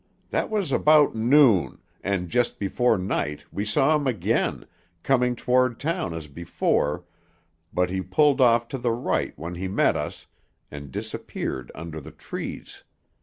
That was about noon, and just before night we saw him again, coming toward town as before, but he pulled off to the right when he met us, and disappeared under the trees.